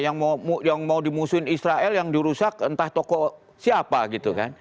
yang mau dimusuhin israel yang dirusak entah tokoh siapa gitu kan